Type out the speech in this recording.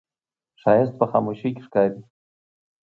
ښایست په خاموشۍ کې ښکاري